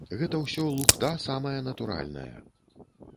Гэта ўсё лухта самая натуральная.